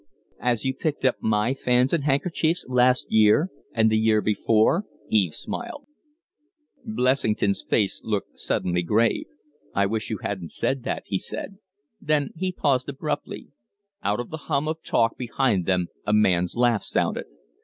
"As you picked up my fans and handkerchiefs last year and the year before?" Eve smiled. Blessington's face suddenly looked grave. "I wish you hadn't said that," he said. Then he paused abruptly. Out of the hum of talk behind them a man's laugh sounded.